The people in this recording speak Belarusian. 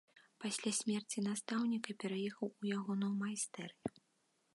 Пасля смерці настаўніка пераехаў у ягоную майстэрню.